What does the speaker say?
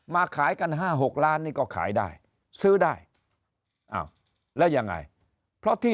ขายกัน๕๖ล้านนี่ก็ขายได้ซื้อได้อ้าวแล้วยังไงเพราะที่